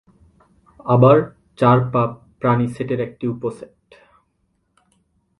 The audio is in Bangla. আবার "চার পা", "প্রাণী" সেটের একটি উপসেট।